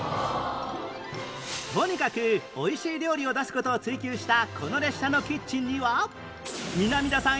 とにかく美味しい料理を出す事を追求したこの列車のキッチンには南田さん